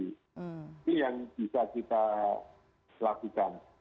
itu yang bisa kita lakukan